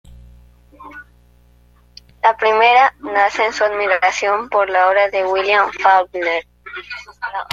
La primera nace en su admiración por la obra de William Faulkner.